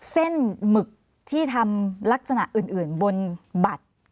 หมึกที่ทำลักษณะอื่นบนบัตร